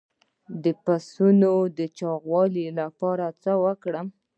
د پسونو د چاغولو لپاره څه ورکړم؟